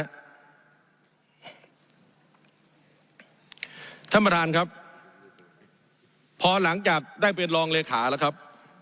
ท่านประธานครับพอหลังจากได้เป็นรองเลขาแล้วครับ